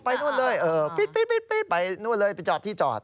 ไปนู่นเลยไปจอดที่จอด